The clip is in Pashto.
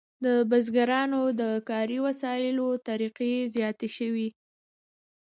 د بزګرانو د کاري وسایلو طریقې زیاتې شوې.